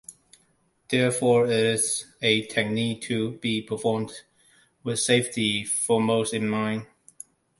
Therefore, it's a technique to be performed with safety foremost in mind.